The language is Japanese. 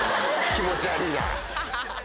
気持ち悪ぃな。